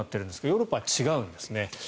ヨーロッパは違うんですね。